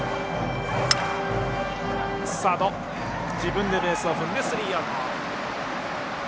サード、自分でベースを踏んでスリーアウト。